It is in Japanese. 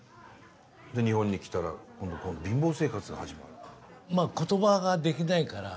で日本に来たら貧乏生活が始まると。